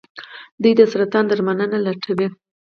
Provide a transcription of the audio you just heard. دوی د سرطان درملنه لټوي.